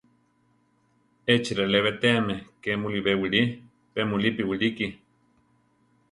Échi relé betéami ke mulibé wilí; pe mulípi wilíki.